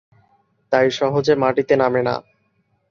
তাই সহজে মাটিতে নামে না।